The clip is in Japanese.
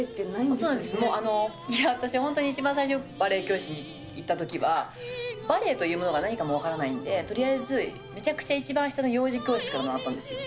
そうなんです、私、一番最初、バレエ教室に行ったときは、バレエというものが何かも分からないので、めちゃくちゃ一番下の幼児教室から習ったんですよ。